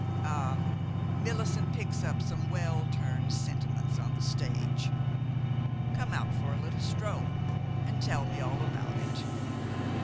"Ah! Millicent picks up some well turned sentiments on the stage. Come out for a little stroll, and tell me all about it."